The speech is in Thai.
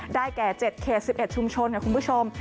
ได้แก่๗เกตสิบเอ็ดชุมชนค่ะคุณผู้ชม